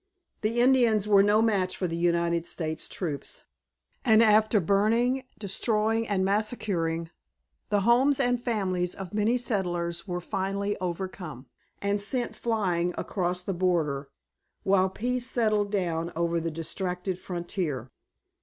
The Indians were no match for the United States troops, and after burning, destroying and massacring the homes and families of many settlers were finally overcome, and sent flying across the border, while peace settled down over the distracted frontier.